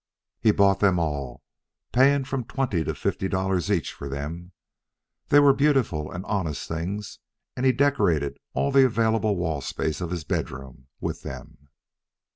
He bought them all, paying from twenty to fifty dollars each for them. They were beautiful and honest things, and he decorated all the available wall space of his bedroom with them.